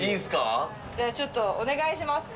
「じゃあちょっとお願いします」